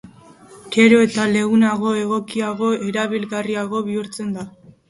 Gero eta leunago, egokiago, erabilgarriago bihurtuko da.